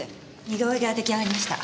似顔絵が出来上がりました。